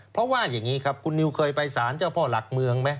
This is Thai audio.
เพราะว่าอย่างนี้ครับคุณนิวเคยไปสารเจ้าพ่อหลักเมืองไหม